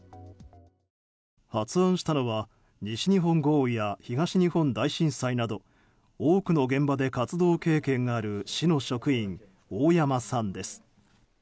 発案したのは西日本豪雨や東日本大震災など多くの現場で活動経験がある市の職員、大山さんです。